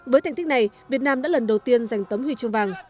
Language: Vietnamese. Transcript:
với thành tích này việt nam đã lần đầu tiên giành tấm huy chương vàng